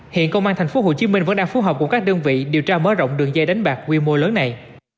hiện công an tp hcm vẫn đang phù hợp cùng các đơn vị điều tra mở rộng đường dây đánh bạc quy mô lớn này